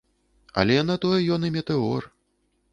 Але на тое ён і метэор.